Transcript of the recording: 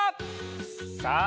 さあ